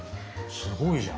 すごいじゃん。